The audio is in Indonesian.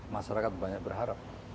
masyarakat banyak berharap